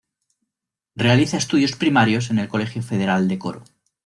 Realiza estudios primarios en el Colegio Federal de Coro.